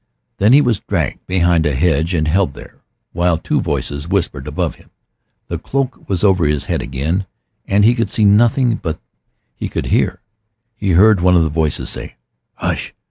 Then he was dragged behind a hedge and held there, while two voices whispered above him. The cloak was over his head again now, and he could see nothing, but he could hear. He heard one of the voices say, "Hush!